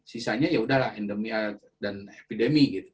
sisa pandemi dan epidemi